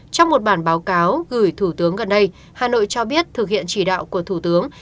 trong một bản báo cáo gửi thủ tướng gần đây hà nội cho biết thực hiện chỉ đạo của thủ tướng